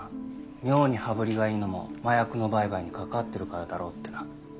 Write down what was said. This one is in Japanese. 妙に羽振りがいいのも麻薬の売買に関わってるからだろうってな。